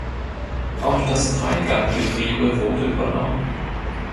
Auch das Dreiganggetriebe wurde übernommen.